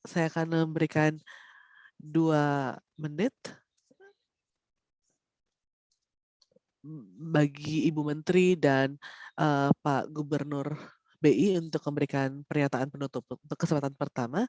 saya akan memberikan dua menit bagi ibu menteri dan pak gubernur bi untuk memberikan pernyataan penutup untuk kesempatan pertama